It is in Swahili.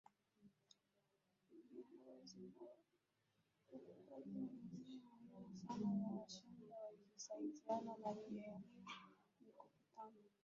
kiongozi wa ukooKazi nyingine muhimu sana ya Washenga wakisaidiana na viherehere ni kukutana